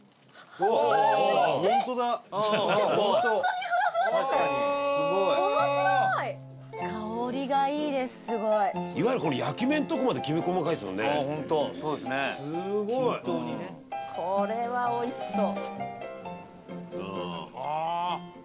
高橋：これは、おいしそう。